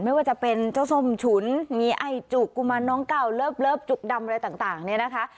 ไม่ว่าจะเป็นเจ้าส้มฉุนมีไอ้จุกกุมารน้องเก่าเลิฟจุกดำอะไรต่างเนี่ยนะคะ